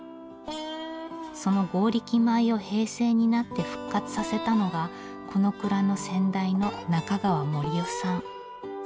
その強力米を平成になって復活させたのがこの蔵の先代の中川盛雄さん。